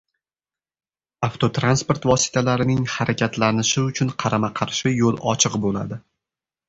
Avtotransport vositalarining harakatlanishi uchun qarama-qarshi yo‘l ochiq bo‘ladi